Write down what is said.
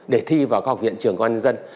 để thi vào các học viện trường công an nhân dân